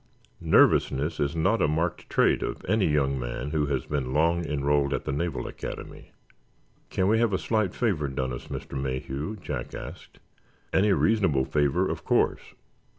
Nervousness is not a marked trait of any young man who has been long enrolled at the Naval Academy." "Can we have a slight favor done us, Mr. Mayhew?" Jack asked. "Any reasonable favor, of course."